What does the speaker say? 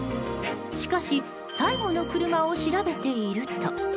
しかし、最後の車を調べていると。